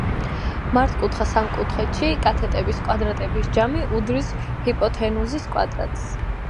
მართკუთხა სამკუთხედში კათეტების კვადრატების ჯამი უდრის ჰიპოთენუზის კვადრატს.